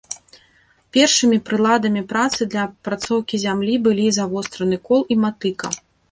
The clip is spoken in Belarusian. Першымі прыладамі працы для апрацоўкі зямлі былі завостраны кол і матыка.